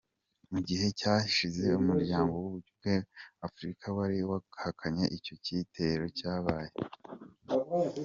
Mu gihe cyashize umuryango w'ubumwe bw'Afrika wari wahakanye ko icyo gitero cyabaye.